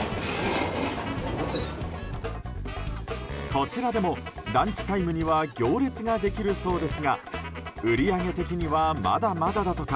こちらでもランチタイムには行列ができるそうですが売り上げ的にはまだまだだとか。